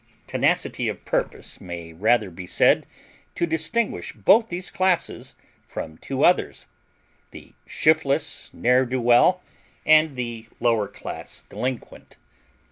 Tenacity of purpose may rather be said to distinguish both these classes from two others; the shiftless ne'er do well and the lower class delinquent.